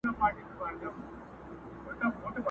دی هم پټ روان پر لور د هدیرې سو!!